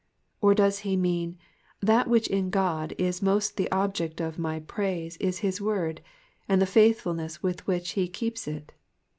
Or does he mean, ^^ that which in God is most the object of my praise is his word, and the faithfulness with which he keeps it